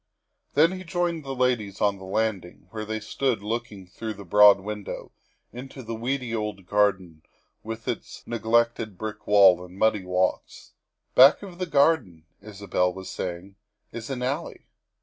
Then he joined the ladies on the landing, where they stood looking through the broad window into the weedy old garden with its neg lected brick wall and muddy walks. " Back of the garden," Isabel was saying, "is an alley."